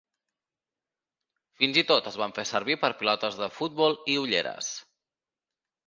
Fins i tot es fan servir per pilotes de futbol i ulleres.